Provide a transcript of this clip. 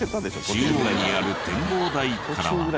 中央にある展望台からは。